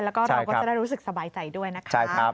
แล้วก็เราก็จะได้รู้สึกสบายใจด้วยนะครับใช่ครับ